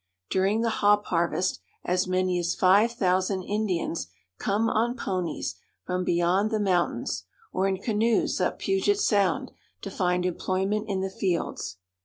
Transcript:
During the hop harvest as many as five thousand Indians come on ponies from beyond the moun tains, or in canoes up Puget Sound, to find employment in the fields.